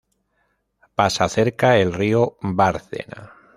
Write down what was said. Pasa cerca el río Bárcena.